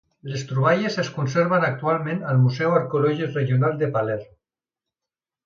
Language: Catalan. Les troballes es conserven actualment al Museu Arqueològic Regional de Palerm.